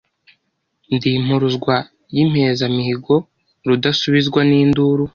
Ndi impuruzwa y'impezamihigo, rudasubizwa n'induru